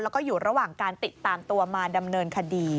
แล้วก็อยู่ระหว่างการติดตามตัวมาดำเนินคดี